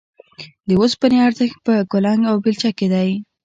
د اوسپنې ارزښت په کلنګ او بېلچه کې دی